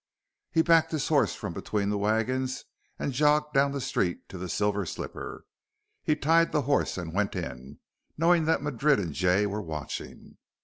He backed his horse from between the wagons and jogged down the street to the Silver Slipper. He tied the horse and went in, knowing that Madrid and Jay were watching.